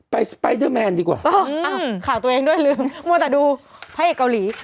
สไปเดอร์แมนดีกว่าอ้าวข่าวตัวเองด้วยลืมมัวแต่ดูพระเอกเกาหลี